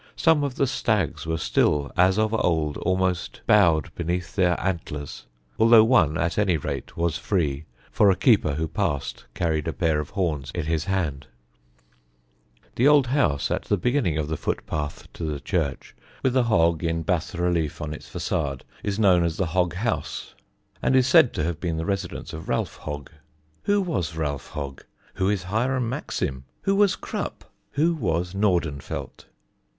Some of the stags were still as of old almost bowed beneath their antlers, although one at any rate was free, for a keeper who passed carried a pair of horns in his hand. [Illustration: In Buxted Park.] [Sidenote: RALPH HOGGE] The old house at the beginning of the footpath to the church, with a hog in bas relief on its façade, is known as the Hog House, and is said to have been the residence of Ralph Hogge. Who was Ralph Hogge? Who is Hiram Maxim? Who was Krupp? Who was Nordenfelt?